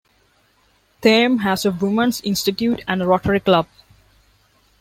Thame has a Women's Institute and a Rotary Club.